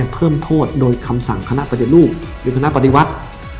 เพิ่มโทษโดยคำสั่งคณะปฏิรูปหรือคณะปฏิวัติ